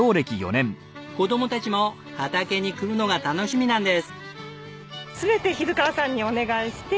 子どもたちも畑に来るのが楽しみなんです。